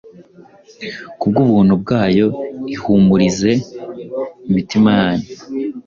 ku bw’ubuntu bwayo, ihumurize imitima yanyu,